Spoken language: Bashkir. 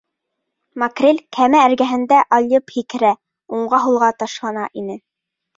Макрель кәмә эргәһендә алйып һикерә, уңға-һулға ташлана ине.